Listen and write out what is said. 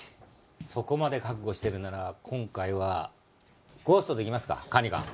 そこまで覚悟してるなら今回はゴーストでいきますか管理官。